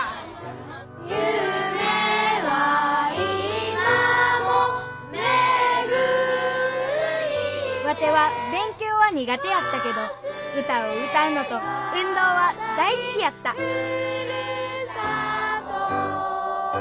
「夢は今もめぐりて」ワテは勉強は苦手やったけど歌を歌うのと運動は大好きやった「故郷」